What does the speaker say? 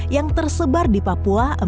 yang tersebar di papua